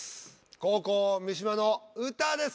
後攻三島の歌です。